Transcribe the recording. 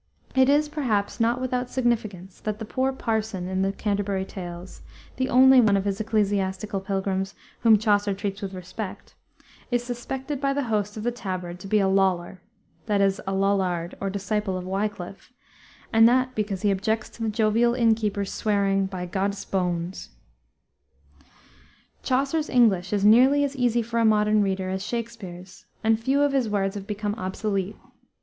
It is, perhaps, not without significance that the poor parson in the Canterbury Tales, the only one of his ecclesiastical pilgrims whom Chaucer treats with respect, is suspected by the host of the Tabard to be a "loller," that is, a Lollard, or disciple of Wiclif, and that because he objects to the jovial inn keeper's swearing "by Goddes bones." Chaucer's English is nearly as easy for a modern reader as Shakspere's, and few of his words have become obsolete.